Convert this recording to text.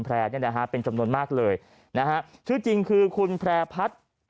แผลนี้นะฮะเป็นจำนวนมากเลยนะฮะชื่อจริงคือคุณแผลพัด